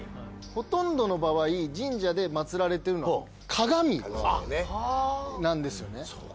ほとんどの場合神社で祭られてるのは鏡なんですよね。